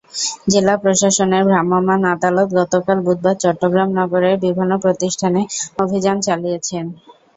জেলা প্রশাসনের ভ্রাম্যমাণ আদালত গতকাল বুধবার চট্টগ্রাম নগরের বিভিন্ন প্রতিষ্ঠানে অভিযান চালিয়েছেন।